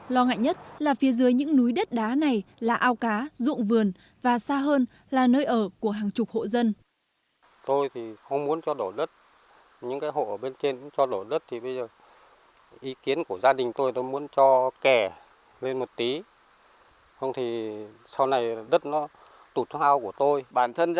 lo ngại nhất là phía dưới những núi đất đá này là ao cá rụng vườn và xa hơn là nơi ở của hàng chục hộ dân